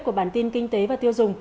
của bản tin kinh tế và tiêu dùng